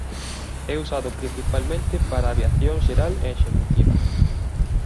É usado principalmente para aviación xeral e executiva.